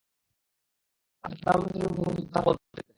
আমি শুধু প্রধানমন্ত্রীর মুখোমুখি কথা বলতে চাই।